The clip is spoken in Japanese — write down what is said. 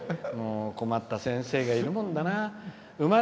困った先生がいるもんだな。